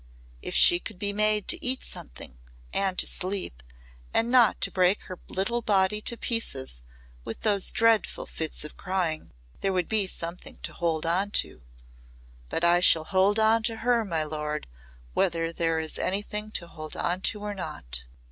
If she could be made to eat something, and to sleep, and not to break her little body to pieces with those dreadful fits of crying, there would be something to hold on to. But I shall hold on to her, my lord, whether there is anything to hold on to or not."